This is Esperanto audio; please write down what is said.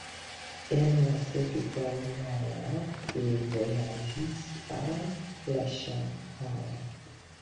En la sekvaj jaroj ili vojaĝis al Ŝanhajo.